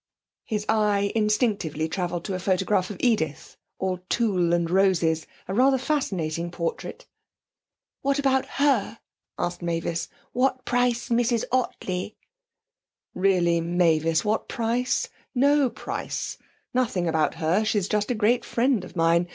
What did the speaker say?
His eye instinctively travelled to a photograph of Edith, all tulle and roses; a rather fascinating portrait. 'What about her?' asked Mavis. 'What price Mrs Ottley?' 'Really, Mavis! What price? No price. Nothing about her; she's just a great friend of mine.